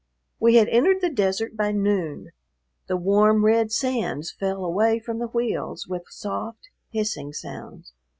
We had entered the desert by noon; the warm, red sands fell away from the wheels with soft, hissing sounds.